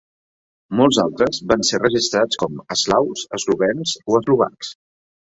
Molts altres van ser registrats com eslaus, eslovens o eslovacs.